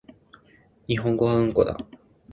日本語はうんこだ